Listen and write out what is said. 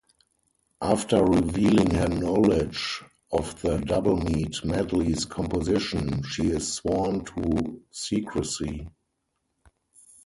After revealing her knowledge of the Doublemeat Medley's composition, she is sworn to secrecy.